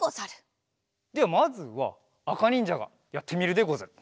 ではまずはあかにんじゃがやってみるでござる。